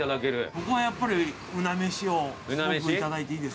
ここはやっぱりうな飯を僕頂いていいですか？